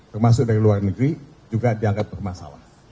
termasuk dari luar negeri juga dianggap bermasalah